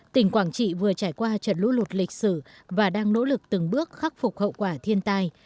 tỉnh quảng trị vừa trải qua trận lũ lụt lịch sử và đang nỗ lực từng bước khắc phục hậu quả thiên tai